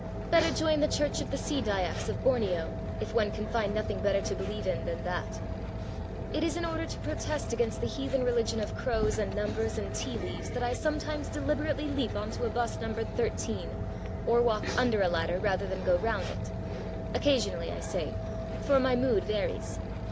Better join the church of the Sea Dyaks of Borneo, if one can find nothing better to believe in than that. It is in order to protest against the heathen religion of crows and numbers and tea leaves that I sometimes deliberately leap on to a 'bus numbered thirteen, or walk under a ladder rather than go round it. Occasionally, I say, for my mood varies.